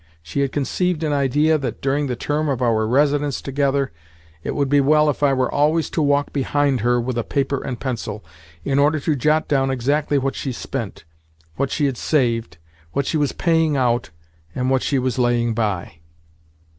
She had conceived an idea that, during the term of our residence together, it would be well if I were always to walk behind her with a paper and pencil, in order to jot down exactly what she spent, what she had saved, what she was paying out, and what she was laying by.